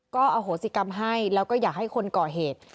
ก็อโหสิกรรมให้แล้วก็อยากให้คนก่อเหตุ